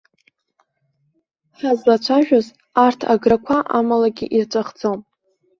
Ҳазлацәажәаз арҭ аграқәа амалагьы ирҵәахӡом.